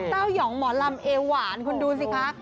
เต้าหย่องหมอล่ำเอหวานคุณดูสิคะ